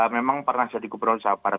memang pernah jadi gubernur jawa barat